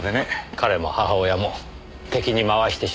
彼も母親も敵に回してしまいましたねえ。